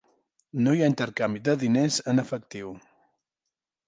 No hi ha intercanvi de diners en efectiu.